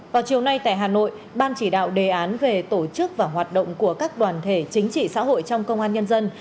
vào chiều nay tại hà nội ban chỉ đạo đề án về tổ chức và hoạt động của các đoàn thể chính trị xã hội trong công an nhân dân